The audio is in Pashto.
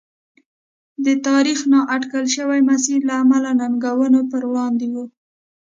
د تاریخ نااټکل شوي مسیر له امله ننګونو پر وړاندې و.